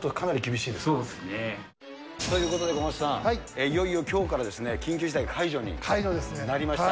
そうですね。ということで、小松さん、いよいよきょうから緊急事態が解除になりました。